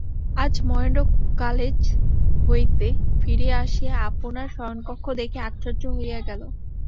আজ মহেন্দ্র কালেজ হইতে ফিরিয়া আসিয়া আপনার শয়নঘর দেখিয়া আশ্চর্য হইয়া গেল।